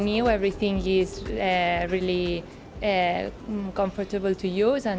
semuanya sangat nyaman untuk digunakan